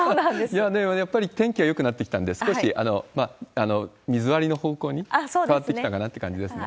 いや、でもやっぱり天気がよくなってきたんで、少し水割りの方向に変わってきたかなっていう感じですね。